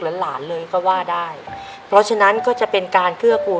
ในแคมเปญพิเศษเกมต่อชีวิตโรงเรียนของหนู